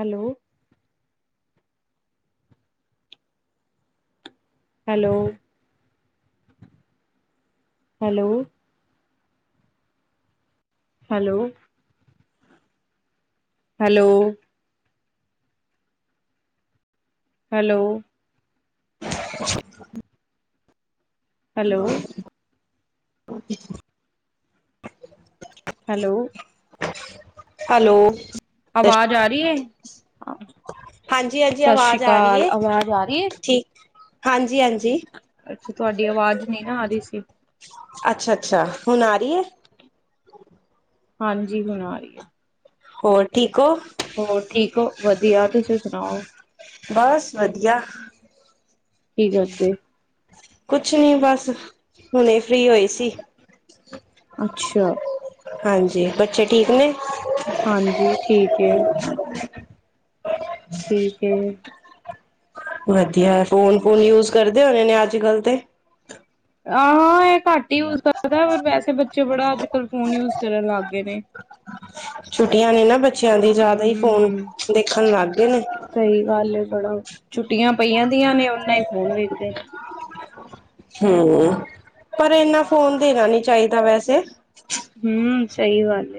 Hello hello hello? Hello. Hello hello. [inaudible] Hello [inaudible] hello hello ਆਵਾਜ਼ ਆ ਰਹੀ ਹੈ। ਹਾਂਜੀ- ਹਾਂਜੀ ਸਤਿ ਸ੍ਰੀ ਅਵਾਜ਼ ਆ ਰਹੀ ਅਕਾਲ ਹੈ ਆਵਾਜ਼ ਆ ਰਹੀ ਹੈ ਠੀਕ ਹਾਂਜੀ-ਹਾਂਜੀ। ਅੱਛਾ ਤੁਹਾਡੀ ਆਵਾਜ਼ ਨਹੀਂ ਨਾ ਆ ਰਹੀ ਸੀ। ਅੱਛਾ-ਅੱਛਾ ਹੁਣ ਆ ਰਹੀ ਹੈ। ਹਾਂਜੀ ਹੁਣ ਆ ਰਹੀ ਹੈ ਹੋਰ ਠੀਕ ਹੋ ਹੋਰ ਠੀਕ ਹੋ ਵਧੀਆ ਤੁਸੀਂ ਸੁਣਾਓ ਬਸ ਵਧੀਆ ਕੀ ਕਰਦੇ? ਕੁਛ ਨਹੀਂੀ ਬਸ ਹੁਣੇ ਫ੍ਰਰੀ ਹੋਈ ਸੀ ਅੱਛਾ ਹਾਂਜੀ ਬੱਚੇ ਠੀਕ ਨੇ ਹਾਂਜੀ ਠੀਕ ਹੈ! ਠੀਕ ਏ! ਵਧੀਆ ਫੋਨ ਫੋਨ ਯੂਜ ਕਰਦੇ ਹੋਣੇ ਨੇ ਅੱਜ ਕੱਲ੍ਹ ਤੇ ਹਾਂ ਇਹ ਘੱਟ ਹੀ ਯੂਜ ਕਰਦਾ ਵੈਸੇ ਬੱਚੇ ਬੜਾ ਅੱਜ ਕਲ ਫੋਨ ਯੂਜ ਕਰਨ ਲੱਗ ਗਏ ਨੇ [inaudible] ਛੁੱਟੀਆਂ ਨੇ ਨਾ ਬੱਚਿਆਂ ਦੀ ਜ਼ਿਆਦਾ ਹੀ ਫੋਨ ਹਮ ਦੇਖਣ ਲੱਗਦੇ ਨੇ ਸਹੀ ਗੱਲ ਬੜਾ ਛੁੱਟੀਆਂ ਪਈਆਂ ਦੀਆਂ ਨੇ ਉਹਨਾ ਹੀ ਫੋਨ ਵੇਖਦੇ ਨੇ ਹਮ ਪਰ ਇਨਾ ਫੋਨ ਦੇਣਾ ਨੀ ਚਾਹੀਦਾ ਵੈਸੇ ਹਮ ਸਹੀ ਬਾੱਲ ਹੈ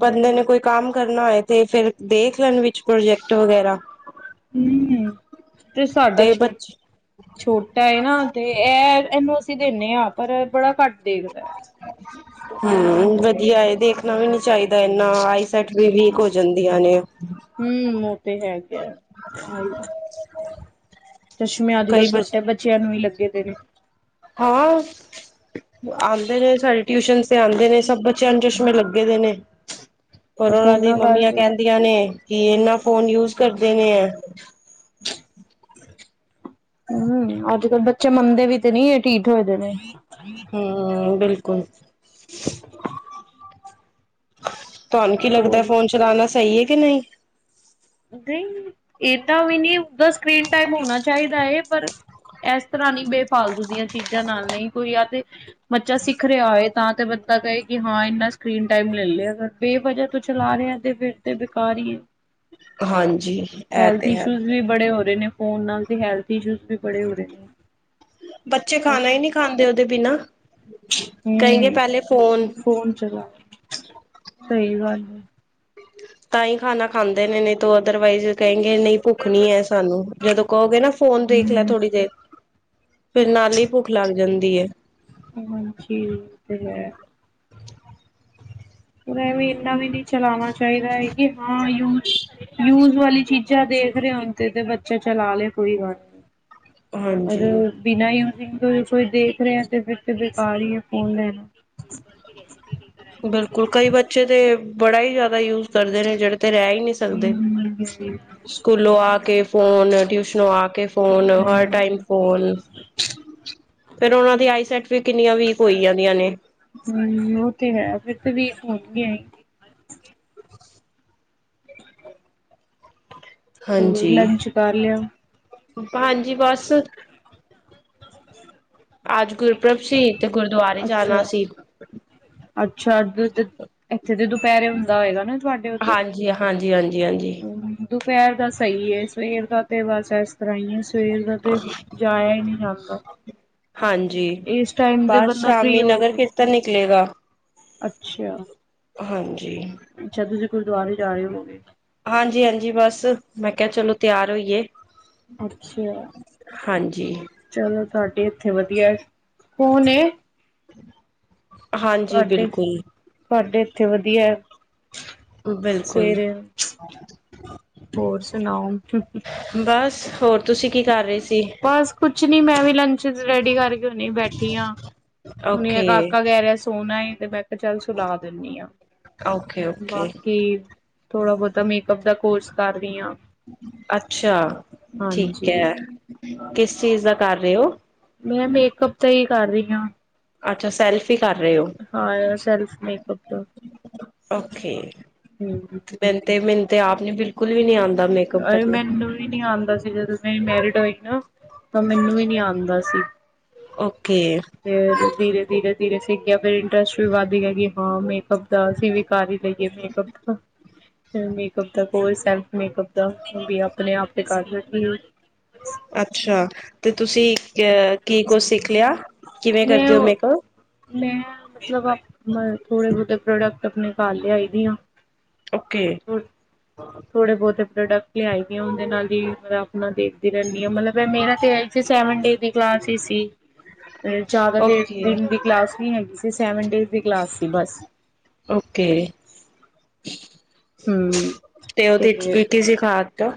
ਬੰਦੇ ਨੇ ਕੋਈ ਕੰਮ ਕਰਨਾ ਹੋਏ ਤੇ ਫੇਿਰ ਦੇਖ ਲੈਣ ਵਿੱਚ ਪ੍ਰੋਜੈਕਟ ਵਗੈਰਾ ਹਮ ਤੇ ਸਾਡਾ ਛੂਟ ਛੋਟਾ ਹੈ ਨਾ ਤੇ ਇਹ ਇਹਨੂੰ ਅਸੀਂ ਦਿੰਦੇ ਹਾਂ ਪਰ ਬੜਾ ਘੱਟ ਦੇਖਦਾ ਹੈ ਹਮ ਵਧੀਆ ਦੇਖਣਾ ਵੀ ਨੀ ਚਾਹੀਦਾ ਇੰਨਾ ਆਈਸੈਟ ਵੀ ਵੀਕ ਹੋ ਜਾਂਦੀਆਂ ਨੇ ਹਮ ਉਹ ਤੇ ਹੈਗਾ ਚਸ਼ਮੇ ਅੱਜ ਕੱਲ੍ਹ ਕਈ ਬੱਚ ਛੋਟੇ ਬੱਚਿਆਂ ਨੂੰ ਵੀ ਲੱਗੇ ਦੇ ਨੇ ਹਾਂ ਆਉਂਦੇ ਨੇ ਸਾਡੇ ਟਿਊਸ਼ਨ ਤੇ ਆਉਂਦੇ ਨੇ ਸਭ ਬੱਚਿਆਂ ਨੂੰ ਚਸ਼ਮੇ ਲੱਗੇ ਦੇ ਨੇ ਪਰ ਉਹਨਾਂ ਦੀ ਫੋਨਾਂ ਮੰਮੀਆਂ ਕਰਕੇ ਕਹਿੰਦੀਆਂ ਨੇ ਕਿ ਇਨਾ ਫੋਨ ਯੂਜ ਕਰਦੇ ਨੇ ਹੈ ਹਮ ਅੱਜ ਕੱਲ ਬੱਚੇ ਮੰਨਦੇ ਵੀ ਤੇ ਨਹੀਂੀ ਠੀਠ ਹੋਏ ਦੇ ਨੇ ਹਾਂ ਬਿਲਕੁੱਲ ਤੁਹਾਨੂੰ ਕੀ ਲੱਗਦਾ ਹੋਰ ਫੋਨ ਚਲਾਉਣਾ ਸਹੀ ਹੈ ਕਿ ਨਹੀਂ ਨਹੀਂ ਇਹ ਤਾਂ ਵੀ ਨਹੀਂ ਦਾ ਸਕਰੀਨ ਟਾਈਮ ਹੋਣਾ ਚਾਹੀਦਾ ਹੈ ਪਰ ਇਸ ਤਰ੍ਹਾਂ ਨ ਬੇ ਫਾਲਤੂ ਦੀਆਂ ਚੀਜ਼ਾਂ ਨਾਲ ਨਹੀਂ ਕੋਈ ਆ ਤੇ ਬੱਚਾ ਸਿੱਖ ਰਿਹਾ ਹੋਏ ਤਾਂ ਤੇ ਬੰਦਾ ਕਹੇ ਕਿ ਹਾਂ ਇੰਨਾ ਸਕਰੀਨ ਟਾਈਮ ਲੈ ਲਿਆ ਫਿਰ ਬੇ ਵਜਾ ਤੋਂ ਚਲਾ ਰਿਹਾ ਤੇ ਫਿਰ ਤੇ ਬੇਕਾਰ ਹੀ ਹੈ ਹਾਂਜੀ ਇਹ ਹੈਲਥ ਤੇ ਹੈ ਇਸ਼ੂਜ ਵੀ ਬੜੇ ਹੋ ਰਹੇ ਨੇ ਫੋਨ ਨਾਲ ਹੈਲਥ ਇਸ਼ੂ ਵੀ ਬੜੇ ਹੋ ਰਹੇ ਨੇ ਬੱਚੇ ਖਾਣਾ ਹੀ ਨਹੀਂ ਖਾਂਦੇ ਉਹਦੇ ਬਿਨਾਂ ਕਹੀਂਗੇ ਪਹਿਲੇ ਫੋਨ ਕੌਣ ਚੰਗਾ ਸਹੀ ਗੱਲ ਹੈ। ਤਾਂ ਹੀ ਖਾਣਾ ਖਾਂਦੇ ਨੇ ਨਹੀਂ ਤੋ ਅਦਰਵਾਈਜ਼ ਕਹਿੰਗੇ ਨਹੀਂ ਭੁੱਖ ਨਹੀਂ ਹੈ ਸਾਨੂੰ ਜਦੋਂ ਕਹੋਗੇ ਨਾ ਫੋਨ ਦੇਖ ਲੈ ਹੂੰ ਥੋੜ੍ਹੀ ਦੇਰ ਫਿਰ ਨਾਲ ਹੀ ਭੁੱਖ ਲੱਗ ਜਾਂਦੀ ਹੈ। ਹਾਂਜੀ ਤੇ ਹੈ ਵੇ ਇੰਨਾ ਵੀ ਨਹੀਂ ਚਲਾਉਣਾ ਚਾਹੀਦਾ ਹੈ ਕਿ ਹਾਂ ਯੂਜ਼ ਯੂਜ ਵਾਲੀ ਚੀਜ਼ਾਂ ਦੇਖ ਰਹੇ ਹ ਤੇ ਤੇ ਬੱਚਾ ਚਲਾ ਲੈ ਕੋਈ ਗੱਲ ਨਹੀਂ ਅ ਹਾਂਜੀ। ਬਿਨਾਂ ਯੂਜਿੰਗ ਤੋਂ ਕੋਈ ਦੇਖ ਰਿਹਾ ਤੇ ਫਿਰ ਬੇਕਾਰ ਹੀ ਹੈ ਫੋਨ ਲੈਣਾ [unintelligible] ਬਿਲਕੁਲ ਕਈ ਬੱਚੇ ਤੇ ਬੜਾ ਹੀ ਜ਼ਿਆਦਾ ਯੂਜ ਕਰਦੇ ਨੇ ਜਿਹੜੇ ਤੇ ਰਹਿ ਹੀ ਨਹੀਂ ਸਕਦੇ ਹਮ ਹਮ ਸਕੂਲੋਂ ਆ ਕੇ ਫੋਨ ਟਿਊਸ਼ਨੋ ਆ ਕੇ ਫੋਨ ਹਰ ਟਾਈਮ ਫ ਫਿਰ ਉਹਨਾਂ ਦੀ ਆਈਸੈਟ ਵੀ ਕਿੰਨੀਆਂ ਵੀਕ ਹੋਈ ਦੀਆਂ ਨੇ ਹਮ ਉਹ ਤੇ ਹੈ ਫਿਰ ਤੇ ਵੀਕ ਹੋਣ ਗਿਆ ਹੀ ਹੋਰ ਹਾਂਜੀ ਲੰਚ ਕਰ ਲਿਆ ਹਾਂਜੀ ਬੱਸ ਅੱਜ ਗੁਰਪੁਰਬ ਸੀ ਤੇ ਗੁਰਦੁਆਰੇ ਜਾਣਾ ਅੱਛਾ ਸੀ। ਅੱਛਾ ਅੱਜ ਇੱਥੇ ਤੇ ਦੁਪਹਿਰੇ ਹੁੰਦਾ ਹੋਏਗਾ ਨਾ। ਤੁਹਾਡੇ ਉੱਧਰ ਹਾਂਜੀ, ਹਾਂਜੀ, ਹਾਂਜੀ, ਹਾਂਜੀ, ਹੂੰ ਦੁਪਹਿਰ ਦਾ ਸਹੀ ਹੈ ਸਵੇਰ ਦਾ ਤੇ ਬੱਸ ਇਸ ਤਰ੍ਹਾਂ ਹੀ ਹੈ ਸਵੇਰ ਦਾ ਜਾਇਆ ਹੀ ਨਹੀਂ ਜਾਂਦਾ। ਹਾਂਜੀ ਇਸ ਟਾਈਮ ਤੇ ਬੱਸ ਬੰਦਾ ਫ੍ਰਰੀ ਸ਼ਾਮੀ ਹੋ ਨਗਰ ਕੇ ਕੀਰਤਨ ਨਿਕਲੇਗਾ। ਅੱਛਾ। ਹਾਂਜੀ। ਅੱਛਾ ਤੁਸੀ ਗੁਰਦੁਆਰੇ ਜਾ ਰਹੇ ਹੋਗੇ। ਹਾਂਜੀ-ਹਾਂਜੀ ਬਸ ਮੈਂ ਕਿਹਾ ਚਲੋ ਤਿਆਰ ਹੋਈਏ। ਅੱਛਾ ਹਾਂਜੀ ਚਲੋ ਤੁਹਾਡੇ ਇੱਥੇ ਵਧੀਆ ਕੌਣ ਏ। [unintelligible] ਹਾਂਜੀ ਤੁਹਾਡੇ, ਬਿਲਕੁਲ ਤੁਹਾਡੇ ਇੱਥੇ ਵਧੀਆ ਹੈ। ਬਿਲਕੁਲ ਸਵੇਰੇ ਹੋਰ ਸੁਣਾਓ। ਬਸ ਹੋਰ ਤੁਸੀਂ ਕੀ ਕਰ ਰਹੇ। ਸੀ ਬਸ ਕੁੱਛ ਨਹੀਂ ਮੈਂ ਵੀ ਲੰਚ ਰੈਡੀ ਕਰਕੇ ਹੂਣੇ ਬੈਠੀ ਹਾਂ। ਹੁਣੇ ਓਕੇ ਕਾਕਾ ਕਹਿ ਰਿਹਾ ਸੀ ਸੋਣਾ ਏ ਤੇ ਮੈਂ ਕਿਹਾ ਚੱਲ ਸੁਲਾ ਦਿੰਦੀ ਹਾਂ ਓਕੇ ਓਕੇ ਬਾਕੀ ਥੋੜ੍ਹਾ ਬਹੁਤਾ ਮੇਕਅੱਪ ਦਾ ਕੋਰਸ ਕਰ ਰਹੀ ਹਾਂ। ਅੱਛਾ ਠੀਕ ਹੈ ਕਿਸ ਚੀਜ਼ ਦਾ ਕਰ ਰਹੇ ਹੋ। ਮੈਂ ਮੇਕਅਪ ਦਾ ਹੀ ਕਰ ਰਹੀ ਹਾਂ। ਅੱਛਾ ਸੈਲਫ ਹੀ ਕਰ ਰਹੇ ਹੋ। ਹਾਂ ਸੈਲਫ ਮੇਕਅਪ ਦਾ। ਓਕੇ। ਹੂੰ, ਮੈਨੂੰ ਤੇ ਮੈਨੂੰ ਤੇ ਆਪ ਨੀ ਬਿਲਕੁਲ ਵੀ ਨੀ ਆਉਂਦਾ ਮੇਕਅਪ ਕਰਨਾ ਮੈਨੂੰ ਨ ਨੀ ਆਦਾ ਸੀ ਜਦੋਂ ਮੈਂ ਮੈਰਿਡ ਹੋਈ ਨਾ ਤਾਂ ਮੈਨੂੰ ਵੀ ਨੀ ਆਦਾ ਸੀ। ਓਕੇ। ਫੇਰ ਧੀਰੇ ਧੀਰੇ-ਧੀਰੇ ਸਿੱਖ ਗਿਆ ਫੇਰ ਇੰਟਰਸਟ ਵੀ ਵੱਧ ਗਿਆ ਕਿ ਹਾਂ ਮੇਕਅੱਪ ਦਾ ਅਸੀਂ ਵੀ ਕਰ ਹੀ ਲਈਏ ਮੇਕਅਪ ਦਾ। ਮੇਕਅਪ ਦਾ ਕੋਈ ਸੈਲਫ ਮੇਕਅਪ ਦਾ ਆਪਣੇ ਆਪ ਤੇ ਕਰ ਰੀ ਅੱਛਾ ਤੇ ਤੁਸੀਂ ਕੀ ਕੁਛ ਸਿੱਖ ਲਿਆ ਕਿਵੇਂ ਮੈਂ ਕਰਦੇ ਹੋ ਓ ਮੇਕਅਪ। ਮੈਂ ਮਤਲਬ ਥੋੜੇ ਬਹੁਤੇ ਪ੍ਰੋਡਕਟ ਆਪਣੇ ਘਰ ਲਿਆਈ ਦੀ ਹਾਂ। ਓਕੇ। ਥੋੜੇ ਬਹੁਤੇ ਪ੍ਰੋਡਕਟ ਲਿਆਏ ਆ ਉਹਦੇ ਨਾਲ ਹੀ ਮੈ ਆਪਣਾ ਦੇਖਦੀ ਰਹਿੰਦੀ ਹਾਂ ਮਤਲਬ ਮੇਰਾ ਤੇ ਸੈਵਨ ਡੇ ਦੀ ਕਲਾਸ ਸੀ। ਤੇ ਜ਼ਿਆਦਾ ਦੇ ਓਕੇ, ਦਿਨ ਦੀ ਕਲਾਸ ਵੀ ਹੈਗੀ ਸੀ ਸੈਵਨ ਡੇਜ ਦੀ ਕਲਾਸ ਸੀ ਬਸ ਓਕੇ ਹੂੰ। ਤੇ ਉਹਦੇ ਸ ਖਾ ਕ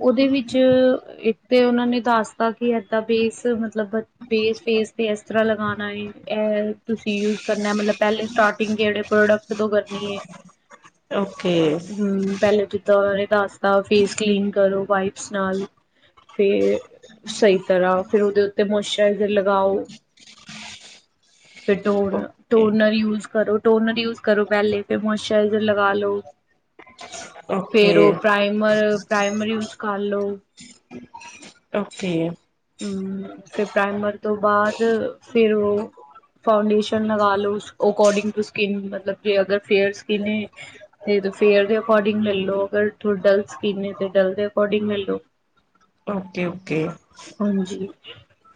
ਉਹਦੇ ਵਿੱਚ ਇੱਕ ਤੇ ਉਹਨਾਂ ਨੇ ਦੱਸਤਾ ਕਿ ਏਦਾਂ ਬੇਸ ਮਤਲਬ ਮਤਲਬ ਬੇਸ-ਫੇਸ ਤੇ ਇਸ ਤਰ੍ਹਾਂ ਲਗਾਉਣਾ ਹੈ ਇਹ ਤੁਸੀਂ ਯੂਜ ਕਰਨਾ ਮਤਲਬ ਪਹਿਲੇ ਸਟਾਰਟਿੰਗ ਕਿਹੜੇ ਪ੍ਰੋਡਕਟ ਤੋਂ ਕਰਨੀ ਹੈ। ਓਕੇ। ਹੂੰ ਪਹਿਲੇ ਦਿਨ ਦ ਨੇ ਦੱਸਦਾ ਫੇਸ ਕਲੀਨ ਕਰੋ ਵਾਈਪਸ ਨਾਲ ਫੇਰ ਸਹੀ ਤਰ੍ਹਾਂ ਫੇਰ ਉਹਦੇ ਉੱਤੇ ਲਗਾਓ ਫਿਰ ਓਕੇ, ਟੋਨਰ ਯੂਜ ਕਰੋ। ਟੋਨਰ ਯੂਜ ਕਰੋ ਪਹਿਲੇ ਫਿਰ ਮੋਸਚਰਾਈਜਰ ਲਗਾ ਲੋ। ਫੇਰ ਓਕੇ, ਉਹ ਪ੍ਰਾਈਮਰ ਪ੍ਰਾਈਮਰ ਯੂਜ ਕਰ ਲਓ। ਓਕੇੇ। ਹਮ ਫਿਰ ਪ੍ਰਾਈਮਰ ਤੋਂ ਬਾਅਦ ਫਿਰ ਔ ਫਾਊਂਡੇਸ਼ਨ ਲਗਾ ਲੋ ਉਸ ਅਕੋਰਡਿੰਗ ਟੂ ਸਕਿਨ ਮਤਲਬ ਕਿ ਅਗਰ ਫੇਅਰ ਸਕਿਨ ਏ ਤੇ ਫੇਅਰ ਦੇ ਅਕੋਰਡਿੰਗ ਲੈ ਲੋ ਅਗਰ ਡਲ ਸਕਿਨ ਤੇ ਡਲ ਦੇ ਅਕੋਰਡਿੰਗ ਲੈ ਲੋ ਓਕੇ ਓਕੇ ਹਾਂਜੀ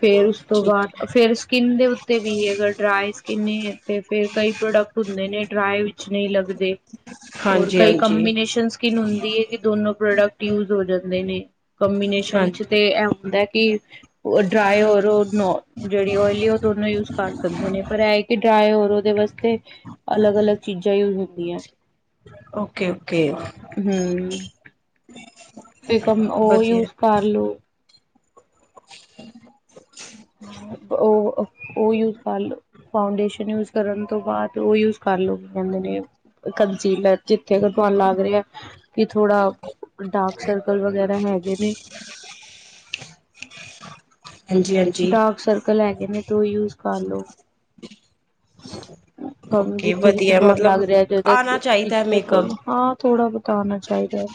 ਫੇਰ ਉਸ ਤੋਂ ਠੀਕ ਹੈ ਬਾਅਦ ਫੇਰ ਸਕਿੰਨ ਦੇ ਵੀਗਾ ਡਰਾਈ ਸਕਿੰਨ ਤੇ ਫੇਿਰ ਕਈ ਪ੍ਰੋਡਕਟ ਹੁੰਦੇ ਨੇ ਡਰਾਏ ਵਿੱਚ ਨਹੀਂ ਲੱਗਦੇ ਹੋਰ ਹਾਂਜੀ, ਕਈ ਹਾਂਜੀ, ਕੰਬੀਨੇਸ਼ਨ ਸਕਿਨ ਹੁੰਦੀ ਹੈ ਕਿ ਦੋਨੋ ਪ੍ਰੋਡਕਟ ਯੂਜ ਹੋ ਜਾਂਦੇ ਨੇ ਕੰਬੀਨੇਸ਼ਨ ਚ ਹਾਂਜੀ। ਤੇ ਇਹ ਹੁੰਦਾ ਕਿ ਡਰਾਏ ਔਰ ਦੋਨੋ ਜਿਹੜੀ ਓਇਲੀ ਉਹ ਦੋਨੋਂ ਯੂਜ ਕਰ ਸਕਦੇ ਨੇ ਪਰ ਇਹ ਕਿ ਡਰਾਏ ਹੋਰ ਉਹਦੇ ਵਾਸਤੇ ਅਲੱਗ ਅਲੱਗ ਚੀਜ਼ਾਂ ਯੂਜ ਹੁੰਦੀਆਂ ਓਕੇ, ਓਕੇ ਹਮ ਫਿਕਮ ਉਹ ਵਧੀਆ ਯੂਸ ਕਰ ਲੋ [unintelligible] ਉਹ-ਉਹ ਯੂਪ ਕਰਲੋ ਫਾਡੇਸ਼ਨ ਉਸ ਕਰਨ ਤੋਂ ਬਾਅਦ ਉਹ ਯੂਜ ਕਾਰਲੋ ਕਿ ਕਹਿੰਦੇ ਨੇ ਕੰਸੀਲਰ ਜਿੱਥੇ ਤੁਹਾਨੂੰ ਲੱਗ ਰਿ ਆ ਕਿ ਥੋੜਾ ਡਾਰਕ ਸਰਕਲ ਵਗੈਰਾ ਹੈਗੇ ਨੇ ਹਾਂਜੀ, ਹਾਂਜੀ। ਡਾਰਕ ਸਰਕਲ ਹੈਗੇ ਨੇ ਤ ਯੂਜ ਕਰ ਲੋ ਓਕੇ ਜਿੱਥੇ ਜਿੱਥੇ ਵਧੀਆ ਤੁਹਾਨੂੰ ਲੱਗ ਮਤਲਬ ਰਿਹਾ ਜ ਆਣਾ ਚਾਹੀਦਾ ਹੈ ਮੇਕਅਪ ਫਲ ਹਾਂ ਥੋੜ੍ਹਾ ਬਿਤਾਉਣਾ ਚਾਹੀਦਾ ਹੈ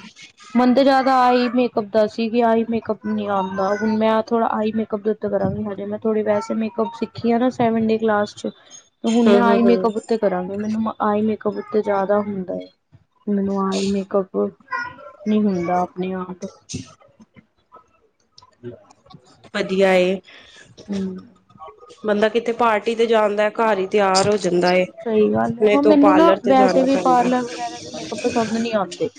ਮੰਦ ਜ਼ਿਆਦਾ ਆਹੀ ਮੇਕਅਪ ਦਾ ਸੀ ਕਿ ਆਹੀ ਮੇਕਅਪ ਨਹੀਂ ਆਉਂਦਾ ਹੁਣ ਮੇ ਥੋੜਾ ਆਈ ਮੇਕਅਪ ਉੱਤੇ ਕਰਾਂਗੀ ਹਜੇ ਮੈਂ ਥੋੜੇ ਵੈਸੇ ਸਿੱਖੀ ਆ ਨਾ ਸੈਵਨ ਡੇ ਕਲਾਸ ਚ ਹੁਣ ਮੈ ਹੂੰ, ਹੂੰ, ਆਈ ਹੂੰ। ਮੇਕਅਪ ਉਤੇ ਕਰਾਗੀ ਮੈਨੂੰ ਆਈ ਮੇਕਅਪ ਉੱਤੇ ਜ਼ਿਆਦਾ ਹੁੰਦਾ ਹੈ ਮੈਨੂੰ ਆ ਹੀ ਮੇਕਅੱਪ ਨਹੀਂ ਹੁੰਦਾ ਆਪਣੇ ਆਪ [inaudible] ਹਮ ਵਧੀਆ ਏ ਹਮ ਬੰਦਾ ਕਿਤੇ ਪਾਰਟੀ ਤੇ ਜਾਂਦਾ ਹੈ ਘਰ ਹੀ ਤਿਆਰ ਹੋ ਜਾਂਦਾ ਏ। ਸਹੀ ਗੱਲ ਹੈ ਆਪਣੇ ਹੁਣ ਤੋਂ ਮੈਨੂੰ ਨਾ ਪਾਰਲਰ ਤੇ ਵੈਸੇ ਜਾਣਾ ਵੀ ਪਾਰਲਰ ਪੈਂਦਾ। ਵਗੈਰਾ ਤੇ ਮੇਕਅੱਪ ਪਸੰਦ ਨਹੀਂ ਆਉਂਦੇ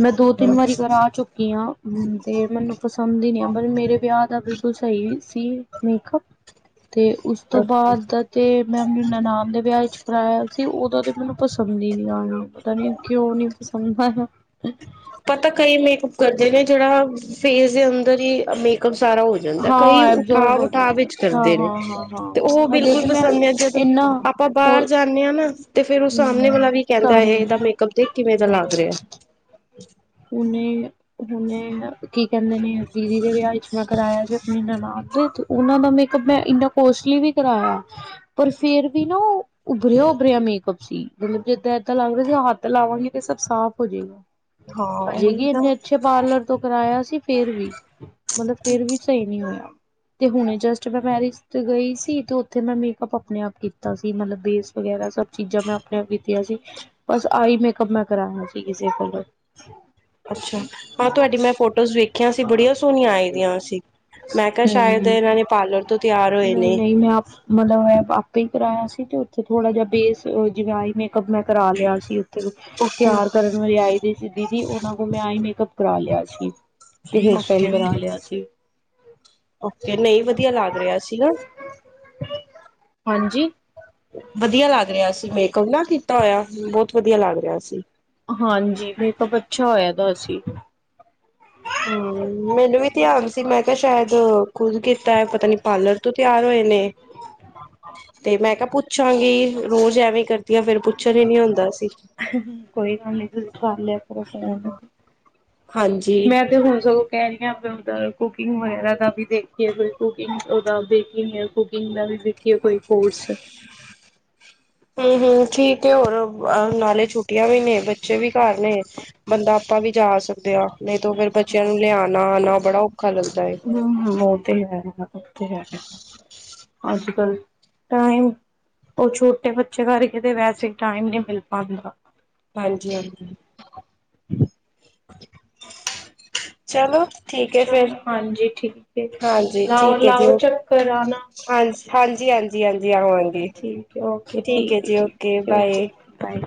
ਮੈਂ ਦੋ ਤਿੰਨ ਵਾਰੀ ਘਰ ਆ ਚੁੱਕੀ ਤੇ ਮੈਨੂੰ ਪਸੰਦ ਹੀ ਨਹੀਂੀ ਆ ਪਰ ਮੇਰੇ ਵਿਆਹ ਦਾ ਬਿਲਕੁਲ ਸਹੀ ਸੀ ਮੇਕਅਪ ਤੇ ਉਸ ਤੋਂ ਬਾਅਦ ਇਥੇ ਮੈਂ ਆਪਨੀ ਨਨਾਣ ਦੇ ਵਿਆਹ ਵਿੱਚ ਕਰਾਇਆ ਸੀ ਉਹਦਾ ਤੇ ਮੈਨੂੰ ਪਸੰਦ ਹੀ ਨਹੀਂ ਆਇਆ ਪਤਾ ਨੀ ਕਿਉਂ ਨੀ ਪਸੰਦ ਹੈ ਪਤਾ ਕਈ ਮੇਕਅੱਪ ਕਰਦੇ ਨੇ ਜਿਹੜਾ ਫੇਸ ਦੇ ਅੰਦਰ ਹੀ ਮੇਕਅੱਪ ਸਾਰਾ ਹੋ ਜਾਂਦਾ। ਕਈ ਹਾਂ ਐਬਜ਼ੋਰਬ ਉਠਾਵ- ਹੋ ਉਠਾਵ ਜਾਂਦਾ ਵਿੱਚ ਹਾਂ ਕਰਦੇ ਨੇ, ਹਾਂ ਹਾਂ ਤੇ ਉਹ ਹਾਂ ਹਜੇ ਬਿਲਕੁਲ ਤੇ ਮੈਂ ਪਸੰਦ ਨੇ ਜਦੋਂ ਇਨਾ ਆਪਾ ਕੋ ਬਾਹਰ ਜਾਂਨੇ ਆ ਨਾ ਤੇ ਫਿਰ, ਉਹ ਹਮ ਸਾਹਮਣੇ ਵਾਲਾ ਵੀ ਕਹਿੰਦਾ ਹੇ, ਸਾਹਮਣੇ ਇਹਦਾ ਮੇਕਅੱਪ ਦੇਖ ਕਿਵੇਂ ਦਾ ਲੱਗ ਰਿਹਾ। [unintelligible] ਉਹਨੇ ਹੁਣੇ ਕੀ ਕਹਿੰਦੇ ਨੇ, ਦੀਦੀ ਦੇ ਵਿਆਹ ਵਿੱਚ ਨਾ ਕਰਵਾਇਆ ਜੇ, ਆਪਣੀ ਨਨਾਣ ਉਹਨਾਂ ਦਾ ਮੇਕਅੱਪ ਮੈਂ, ਇੰਨਾ ਕੋਸਟਲੀ ਵੀ ਕਰਾਇਆ ਪਰ ਫਿਰ ਵੀ ਨਾ, ਉਹ ਉਭਰਿਆ-ਉਭਰਿਆ ਮੇਕਅੱਪ ਸੀ, ਮੱਤਲਬ ਜੇਦਾ ਏਦਾਂ ਲੱਗ ਰਿਹਾ ਸੀ, ਹੱਥ ਲਾਵਾਂਗੇ ਤੇ ਸਭ ਸਾਫ਼ ਹੋ ਜਾਏਗਾ। ਹਾਂ ਹਜੇ ਉਹੀ ਵੀ ਤਾਂ ਇੰਨੇ ਅੱਛੇ ਪਾਰਲਰ ਤੋਂ ਕਰਾਇਆ ਸੀ ਫਿਰ ਵੀ ਮੱਤਲਬ ਫਿਰ ਵੀ ਸਹੀ ਨਹੀਂ ਹੋਇਆ ਤੇ ਹੁਣੇ ਜਸਟ ਮੈਂ ਮੈਰਿਜ ਤੇ ਗਈ ਸੀ ਤੇ ਉੱਥੇ ਮੈਂ ਮੇਕਅੱਪ ਆਪਣੇ ਆਪ ਕੀਤਾ ਸੀ ਮੱਤਲਬ ਬੇਸ ਵਗੈਰਾ ਸੱਭ ਚੀਜ਼ਾਂ ਮੈਂ ਆਪਣੇ ਆਪ ਕੀਤੀਆਂ ਸੀ ਬਸ ਆ ਹੀ ਮੇਕਪ ਮੈਂ ਕਰਾਆ ਸੀ ਕਿਸੇ ਕੋਲੋ ਅੱਛਾ ਹਾਂ ਤੁਹਾਡੀ ਮੈਂ ਫੋਟੋਜ਼ ਵੇਖਿਆ ਸੀ ਬੜੀਆਂ ਸੋਹਣੀਆਂ ਆਈ ਦੀਆਂ ਸੀ ਮੈਂ ਕਿਹਾ ਸ਼ਾਇਦ ਹੂੰ ਇਹਨਾਂ ਨੇ ਪਾਰਲਰ ਤੋਂ ਤਿਆਰ ਹੋਏ ਨਹੀਂ ਨੇ ਨਹੀਂ ਮੈਂ ਆਪ ਮੱਤਲਬ ਆਪੇ ਹੀ ਕਰਵਾਇਆ ਸੀ ਤੇ ਉੱਥੇ ਥੋੜਾ ਜਿਹਾ ਬੇਸ ਜਿਵੇ ਹੀ ਮੇਕਅੱਪ ਮੈਂ ਕਰਾ ਲਿਆ ਸੀ ਓਕੇ ਤਿਆਰ ਕਰਨ ਵਾਲੇ ਆਈ ਦੇ ਸੀ ਦੀਦੀ ਉਹਨਾਂ ਕੋਲ ਮੈਂ ਹੀ ਮੇਕਅੱਪ ਕਰਾ ਲਿਆ ਸੀ ਹੇਅਰ ਸਟਾਈਲ ਓਕੇ ਓਕੇ ਕਰਾਲਿਆ ਸੀ ਓਕੇ ਨਹੀਂ ਵਧੀਆ ਲੱਗ ਰਿਹਾ ਸੀ ਨਾ ਹਾਂਜੀ ਵਧੀਆ ਲੱਗ ਰਿਹਾ ਸੀ ਮੇਕਅੱਪ ਨਾ ਕੀਤਾ ਹੋਇਆ ਬਹੁੱਤ ਵਧੀਆ ਲੱਗ ਰਿਹਾ ਸੀ ਹਾਂਜੀ। ਮੇਕਅੱਪ, ਅੱਛਾ ਹੋਇਆ ਦਾ ਹੋਸੀ। ਹੂੰ, ਮੈਨੂੰ ਵੀ ਧਿਆਨ ਸੀ, ਮੈਂ ਕਿਹਾ ਸ਼ਾਇਦ ਖੁਦ ਕੀਤਾ ਹੈ। ਪਤਾ ਨੀ, ਪਾਰਲਰ ਤੋਂ ਤਿਆਰ ਹੋਏ ਨੇ। ਤੇ ''ਮੈਂ ਕਿਹਾ ਪੁੱਛਾਂਗੀ, ਰੋਜ਼ ਐਵੇਂ ਕਰਦੀਆਂ ਫਿਰ ਪੁੱਛਣ ਹੀ ਨੀ ਹੁੰਦਾ ਸੀ। ਕੋਈ ਗੱਲ ਨੀ, ਤੁਸੀਂ ਕਰ ਲਿਆ ਕਰੋ ਫੋਨ। ਹਾਂਜੀ। ਮੈਂ ਤੇ, ਹੁਣ ਸਗੋਂ ਕਹਿ ਰਹੀ ਹਾਂ, ਆਪ ਉਦਾਂ ਕੁਕਿੰਗ ਵਗੈਰਾ ਦਾ ਵੀ ਦੇਖੀਏ, ਕੋਈ ਕੁਕਿੰਗ ਉਹਦਾ ਦੇਖੀ ਕੁਕਿੰਗ ਦਾ ਵੀ ਸੀ ਕੀ, ਕੋਈ ਕੋਰਸ ਹੂੰ, ਹੂੰ ਠੀਕ ਏ, ਹੋਰ ਨਾਲੇ ਛੁੱਟੀਆਂ ਵੀ ਨੇ, ਬੱਚੇ ਵੀ ਘਰ ਨੇ। ਬੰਦਾ ਆਪਾਂ ਵੀ ਜਾ ਸਕਦੇ ਹਾਂ, ਨਹੀਂ ਤਾਂ ਫਿਰ ਬੱਚਿਆਂ ਨੂੰ ਲਿਆਣਾ-ਆਉਣਾ ਬੜਾ ਔਖਾ ਲੱਗਦਾ ਏ। ਹੂੰ, ਹੂੰ ਓਹ ਤੇ ਹੈ। ਆਹੋ, ਓ ਤੇ, ਹੈ, ਅੱਜ-ਕੱਲ ਟਾਈਮ ਉਹ ਛੋਟੇ ਬੱਚੇ ਕਰਕੇ ਤੇ ਵੈਸੇ, ਟਾਈਮ ਨਹੀਂ ਮਿਲ ਪਾਂਦਾ। ਹਾਂਜੀ-ਹਾਂਜੀ। ਚਲੋ ਠੀਕ ਏ ਫਿਰ, ਚਲੋ ਹਾਂਜੀ ਠੀਕ ਹੈ ਹਾਂਜੀ ਲਾਓ ਠੀਕ ਹੈਜੀ, ਲਾਓ ਚੱਕਰ ਓਕੇ। ਆਣਾ। ਹਾਂਜੀ-ਹਾਂਜੀ- ਹਾਂਜੀ, ਹਾਂਜੀ ਆਵਾਂਗੇ ਠੀਕ ਹੈ ਠੀਕ ਹੈ ਜੀ। Okay, bye. ਟਾਈਮ